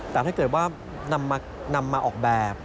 แต่ถ้าเกิดว่านำมาออกแบบ